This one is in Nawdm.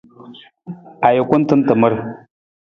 Ajukun tan tamar.